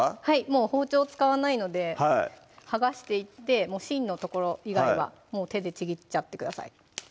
もう包丁使わないので剥がしていって芯の所以外はもう手でちぎっちゃってください